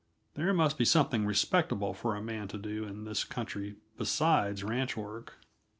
There must be something respectable for a man to do in this country besides ranch work.